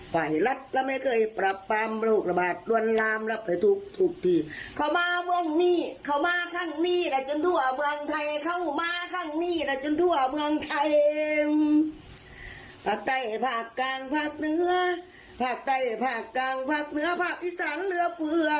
ภาคใต้ภาคกลางภาคเหนือภาคใต้ภาคกลางภาคเหนือภาคอิสรังเหลือเฟื้อ